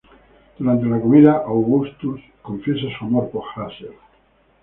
Durante la comida, Augustus confiesa su amor por Hazel.